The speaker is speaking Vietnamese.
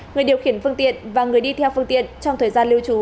người điều khiển phương tiện và người đi theo phương tiện trong thời gian lưu trú